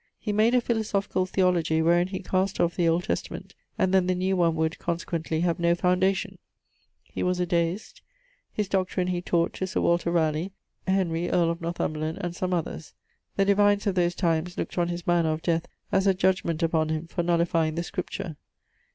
He made a philosophicall theologie, wherin he castoff the Old Testament, and then the New one would (consequently) have no foundation. He was a Deist. His doctrine he taught to Sir Walter Raleigh, Henry, earle of Northumberland, and some others. The divines of those times look't on his manner of death as a judgement upon him for nullifying the Scripture.